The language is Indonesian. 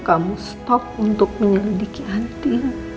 kamu stop untuk menyelidiki anti